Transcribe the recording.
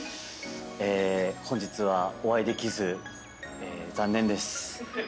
本日はお会いできず残念です。